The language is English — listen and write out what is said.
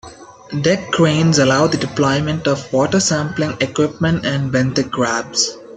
Deck cranes allow the deployment of water sampling equipment and benthic grabs.